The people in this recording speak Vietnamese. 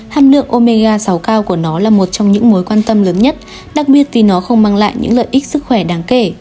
hàm lượng omega sáu cao của nó là một trong những mối quan tâm lớn nhất đặc biệt vì nó không mang lại những lợi ích sức khỏe đáng kể